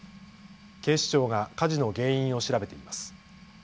警視庁が火事の原因を調べています。